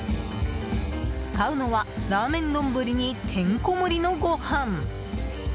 使うのはラーメン丼にてんこ盛りのご飯。